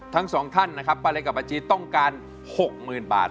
ทั้งสองท่านนะครับป้าเล็กกับป้าจี๊ดต้องการ๖๐๐๐บาท